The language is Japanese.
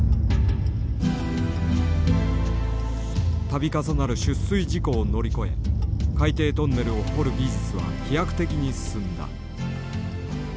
度重なる出水事故を乗り越え海底トンネルを掘る技術は飛躍的に進んだ。